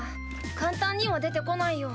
簡単には出てこないよ。